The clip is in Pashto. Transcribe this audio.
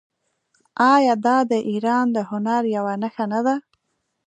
آیا دا د ایران د هنر یوه نښه نه ده؟